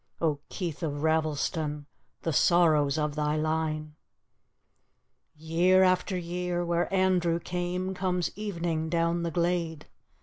Oh, Keith of Ravelston, The sorrows of thy line I Year after year, where Andrew came, Comes evening down the glade.